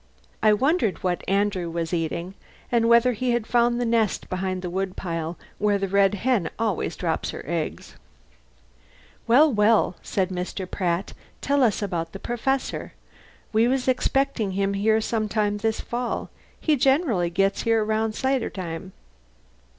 I wondered what Andrew was eating and whether he had found the nest behind the wood pile where the red hen always drops her eggs. "Well, well," said Mr. Pratt, "tell us about the Perfessor. We was expectin' him here some time this fall. He generally gets here around cider time."